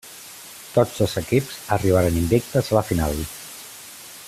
Tots dos equips arribaren invictes a la final.